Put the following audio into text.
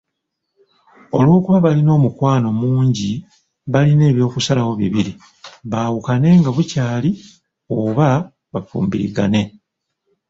Olw'okuba balina omukwano mungi balina eby'okusalawo bibiri, baawukane nga bukyali oba bafumbirigane.